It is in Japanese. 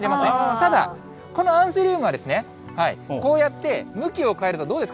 ただ、このアンスリウムはこうやって、向きを変えるとどうですか？